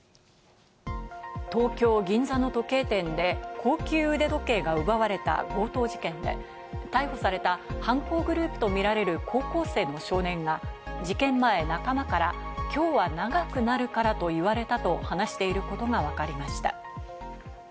東京・銀座の時計店で高級腕時計が奪われた強盗事件で、逮捕された犯行グループとみられる高校生の少年が、事件前、仲間から今日は長くなるからと言われたと話していることがわかりました。